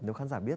nếu khán giả biết